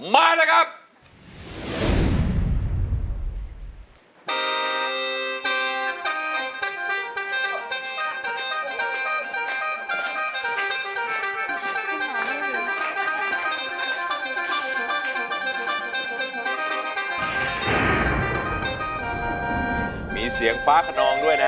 มีเสียงฟ้าขนองด้วยนะ